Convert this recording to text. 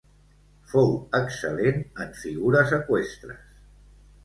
Fou excel·lent en figures eqüestres.